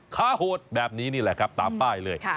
ฆ่าโหดแบบนี้นี่แหละครับตามป้ายเลย